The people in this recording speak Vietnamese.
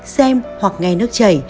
xem hoặc ngay nước chảy